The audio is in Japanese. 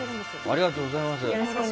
ありがとうございます。